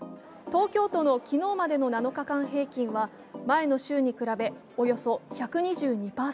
東京都の昨日までの７日間平均は前の週に比べおよそ１２２％。